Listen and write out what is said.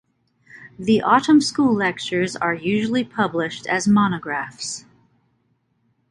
The Autumn School lectures are usually published as monographs.